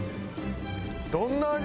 どんな味？